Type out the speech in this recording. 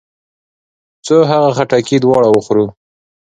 څو هغه خټکي دواړه وخورو.